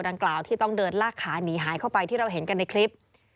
กับช้างป่าตัวดังเกลาที่ต้องเดินลากขาหนีหายเข้าไปที่เราเห็นกันในคลิป